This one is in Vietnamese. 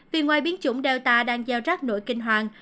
vì ngoài biến chủng delta đang gieo rác nỗi kinh hoàng